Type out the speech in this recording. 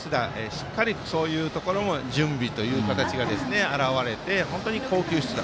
しっかりそういうところの準備という形が表れて、本当に好球必打。